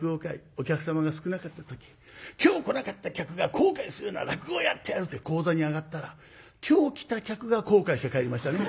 お客様が少なかった時「今日来なかった客が後悔するような落語をやってやる」って高座に上がったら今日来た客が後悔して帰りましたね。